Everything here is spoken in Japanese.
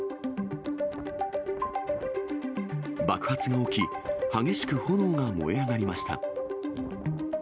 爆発が起き、激しく炎が燃え上がりました。